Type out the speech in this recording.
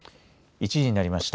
１時になりました。